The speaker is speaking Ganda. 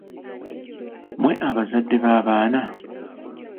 Mmwe abazadde b'abaana?